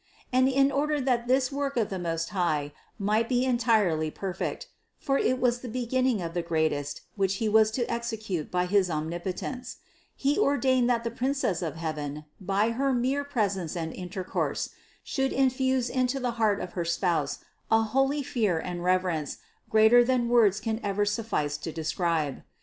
And in order that this work of the Most High might be entirely perfect (for it was the beginning of the greatest, which He was to execute by his Omnipotence) He ordained that the Princess of heaven, by her mere presence and intercourse, should infuse into the heart of her spouse a holy fear and reverence greater than words could ever suffice to describe.